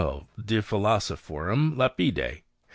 De Philosophorum Lapide.